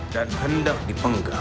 dan hendak dipenggal